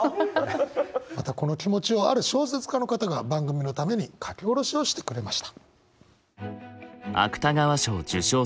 またこの気持ちをある小説家の方が番組のために書き下ろしをしてくれました。